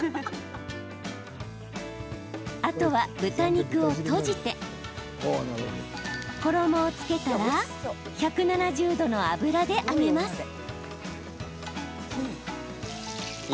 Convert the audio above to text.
あとは豚肉をとじて衣をつけたら１７０度の油で揚げます。